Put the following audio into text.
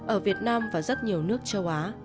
ở việt nam và rất nhiều nước châu á